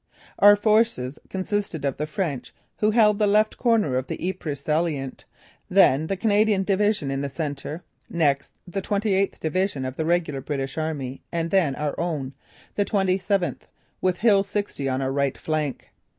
Our forces consisted of the French who held the left corner of the Ypres salient, then the Canadian division in the centre, next the 28th Division of the regular British Army and then our own, the 27th, with Hill 60 on our right flank.